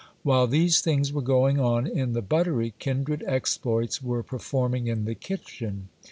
While these things were going on in the buttery, kindred exploits were performing in the kitchen.